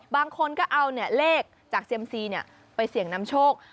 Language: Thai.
บางคนก็เอาเลขจากเซียมซีไปเสี่ยงนำโชค